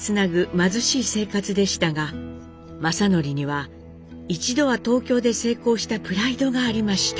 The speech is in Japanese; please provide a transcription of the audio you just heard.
貧しい生活でしたが正徳には一度は東京で成功したプライドがありました。